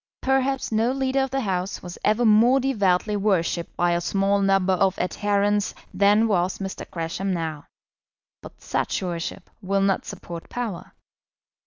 Perhaps no leader of the House was ever more devoutly worshipped by a small number of adherents than was Mr. Gresham now; but such worship will not support power.